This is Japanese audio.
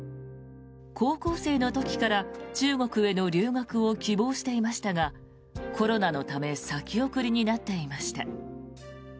高校生の時から、中国への留学を希望していましたがコロナのため先送りになっていました。